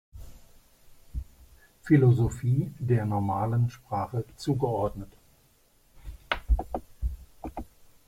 Philosophie der normalen Sprache zugeordnet.